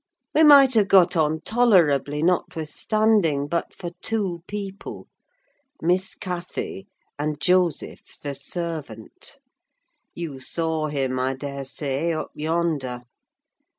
We might have got on tolerably, notwithstanding, but for two people—Miss Cathy, and Joseph, the servant: you saw him, I daresay, up yonder.